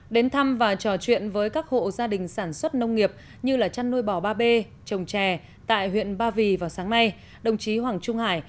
đến thăm và trò chuyện với các hộ gia đình sản xuất nông nghiệp như chăn nuôi bò ba b trồng trè tại huyện ba vì vào sáng nay đồng chí hoàng trung hải